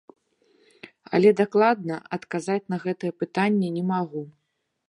Але дакладна адказаць на гэтае пытанне не магу.